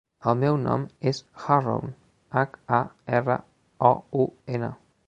El meu nom és Haroun: hac, a, erra, o, u, ena.